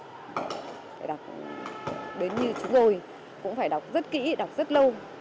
phải đọc đến như chúng tôi cũng phải đọc rất kỹ đọc rất lâu